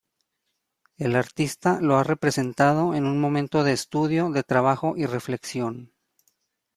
El artista lo ha representado en un momento de estudio, de trabajo y reflexión.